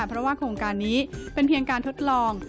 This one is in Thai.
เพราะว่าโครงการนี้เป็นเพียงการทดลอง